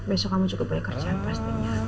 besok kamu cukup banyak kerjaan pastinya